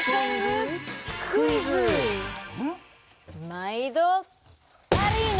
まいどアリーナ！